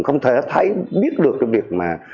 không thể thấy biết được cái việc mà